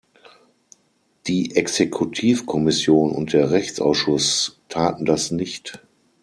Die Exekutivkommission und der Rechtsausschuss taten das nicht.